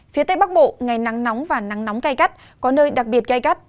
phía tây bắc bộ ngày nắng nóng và nắng nóng cay cắt có nơi đặc biệt cay cắt